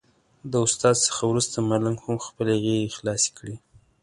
د استاد څخه وروسته ملنګ هم خپلې غېږې خلاصې کړې.